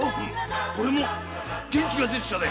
俺も元気が出てきたぜ！